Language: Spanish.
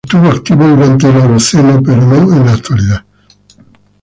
Estuvo activo durante el Holoceno, pero no en la actualidad.